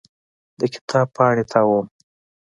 د کتاب پاڼې تاووم.